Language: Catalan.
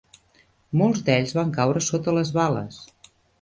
Molts d'ells van caure sota les bales